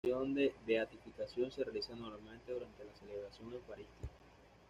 La declaración de beatificación se realiza normalmente durante la celebración eucarística.